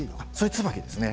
ツバキですね。